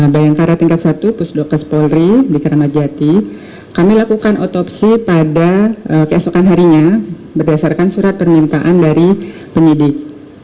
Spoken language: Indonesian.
di bdokes polri di karamajati kami lakukan otopsi pada keesokan harinya berdasarkan surat permintaan dari penyidik